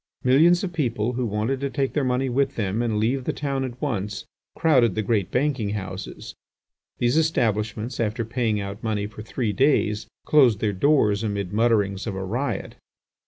Millions of people, who wanted to take their money with them and leave the town at once, crowded the great banking houses. These establishments, after paying out money for three days, closed their doors amid mutterings of a riot.